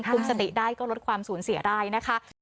คุมสติได้ก็ลดความสูญเสียได้นะคะ